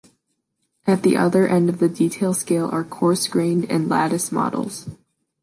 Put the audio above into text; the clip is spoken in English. At the other end of the detail scale are coarse-grained and lattice models.